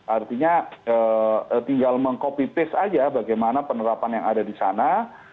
artinya tinggal meng copy paste aja bagaimana penerapan yang ada di sana